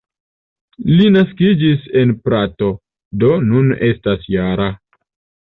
Li naskiĝis en Prato, do nun estas -jara.